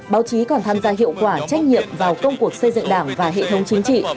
báo chí còn tham gia hiệu quả trách nhiệm vào công cuộc xây dựng đảng và hệ thống chính trị